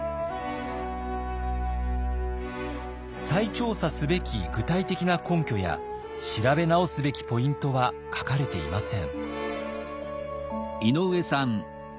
再調査すべき具体的な根拠や調べ直すべきポイントは書かれていません。